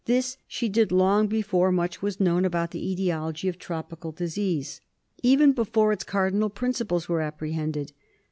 This she did long before much was known about the etiology of tropical disease; even before its cardinal principles were apprehended.